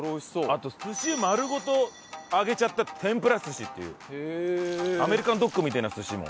あと寿司丸ごと揚げちゃった天ぷら寿司っていうアメリカンドッグみたいな寿司も。